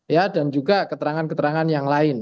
ya dan juga keterangan keterangan yang lain